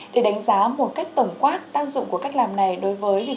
để đánh giá một cách tổng quát tác dụng của cách làm này đối với